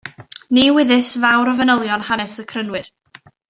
Ni wyddys fawr o fanylion hanes y Crynwyr.